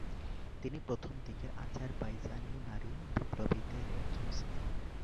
তিনি প্রথম দিকের আজারবাইজানি নারী বিপ্লবীদের একজন ছিলেন।